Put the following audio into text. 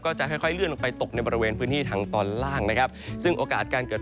จะค่อยค่อยเลื่อนลงไปตกในบริเวณพื้นที่ทางตอนล่างนะครับซึ่งโอกาสการเกิด